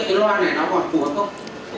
thì điện cái loa này nó còn phù hợp không